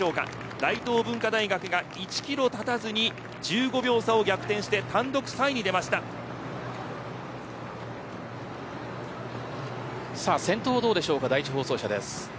大東文化大学が１キロたたずに１５秒差を逆転して先頭はどうでしょうか